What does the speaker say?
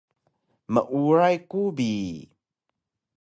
Meuray ku bi